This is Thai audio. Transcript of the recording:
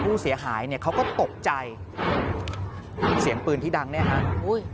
ผู้เสียหายเนี่ยเขาก็ตกใจเสียงปืนที่ดังเนี่ยฮะอุ้ย